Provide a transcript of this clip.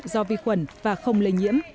do vi khuẩn và không lây nhiễm